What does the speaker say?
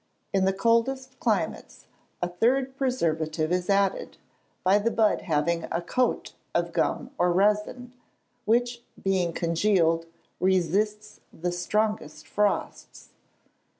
In the coldest climates, a third preservative is added, by the bud having a coat of gum or resin, which, being congealed, resists the strongest frosts.